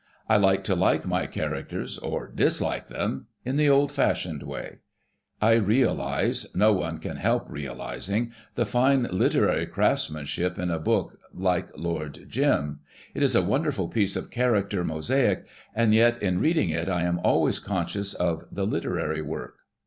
I like to like my characters or dislike them in the old fashioned way. I realize — no one can help realizing — the fine literary craftsmanship in a book like 'Lord Jim.' It is a wonderful piece of character mosaic, and yet in reading it I am always conscious of the literary work.